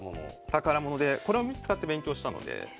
宝物でこれを使って勉強したので。